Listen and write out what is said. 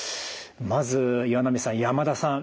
まず岩波さん山田さん